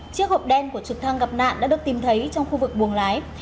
chiếc hộp đen của trực thăng gặp nạn đã được tìm thấy trong khu vực buồng lái